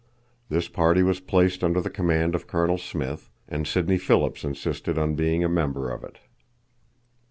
This party was placed under the command of Colonel Smith, and Sidney Phillips insisted on being a member of it.